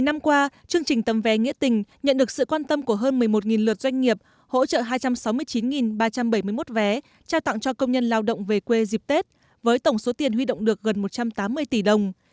một mươi năm qua chương trình tấm vé nghĩa tình nhận được sự quan tâm của hơn một mươi một lượt doanh nghiệp hỗ trợ hai trăm sáu mươi chín ba trăm bảy mươi một vé trao tặng cho công nhân lao động về quê dịp tết với tổng số tiền huy động được gần một trăm tám mươi tỷ đồng